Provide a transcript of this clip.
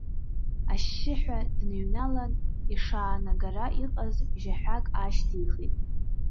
Ашьшьыҳәа дныҩналан, ишаанагара иҟаз жьаҳәак аашьҭихит.